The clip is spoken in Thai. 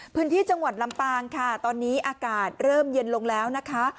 พื้นที่จังหวัดลำปางค่ะตอนนี้อากาศเริ่มเย็นลงแล้วนะคะ